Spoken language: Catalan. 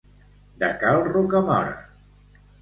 De cal Rocamora.